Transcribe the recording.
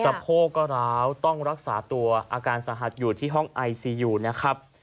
โพกก็ร้าวต้องรักษาตัวอาการสาหัสอยู่ที่ห้องไอซียูนะครับ